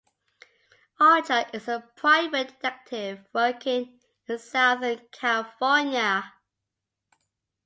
Archer is a private detective working in Southern California.